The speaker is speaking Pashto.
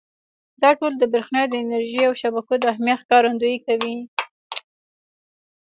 دا ټول د برېښنا د انرژۍ او شبکو د اهمیت ښکارندويي کوي.